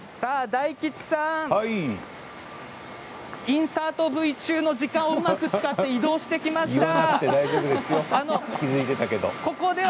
インサートＶ中の時間を使って移動してきました。